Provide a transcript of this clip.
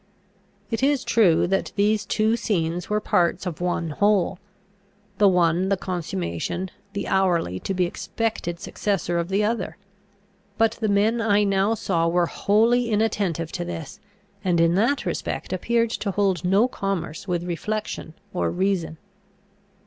It is true, that these two scenes were parts of one whole, the one the consummation, the hourly to be expected successor of the other. But the men I now saw were wholly inattentive to this, and in that respect appeared to hold no commerce with reflection or reason.